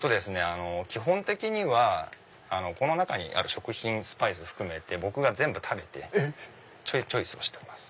基本的にはこの中にある食品スパイス含めて僕が全部食べてチョイスをしてます。